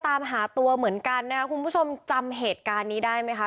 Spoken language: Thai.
ตามหาตัวเหมือนกันนะครับคุณผู้ชมจำเหตุการณ์นี้ได้ไหมคะ